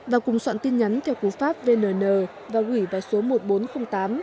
và cùng soạn tin nhắn theo cú pháp vnn và gửi vào số một nghìn bốn trăm linh tám